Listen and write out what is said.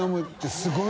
すごい。